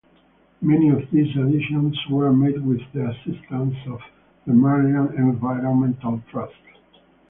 Many of these additions were made with the assistance of the Maryland Environmental Trust.